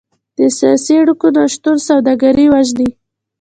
د سیاسي اړیکو نشتون سوداګري وژني.